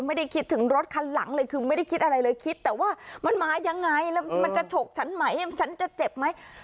ไม่ได้คิดถึงรถคันหลังเลยคือไม่ได้คิดอะไรเลยคิดแต่ว่ามันมายังไงแล้วมันจะฉกฉันไหมฉันจะเจ็บไหม